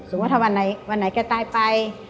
สมมติว่าวันไหนแกตายไป